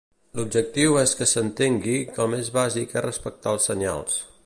L'objectiu és que s'entengui que el més bàsic és respectar els senyals.